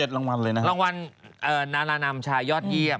รางวัลนานานำชายอดเยี่ยม